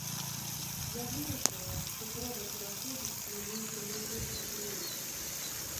Я вырашыла, што трэба пераходзіць на нейкі новы ўзровень.